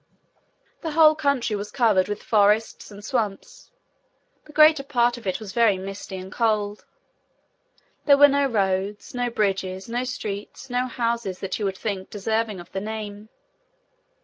The whole country was covered with forests, and swamps. The greater part of it was very misty and cold. There were no roads, no bridges, no streets, no houses that you would think deserving of the name.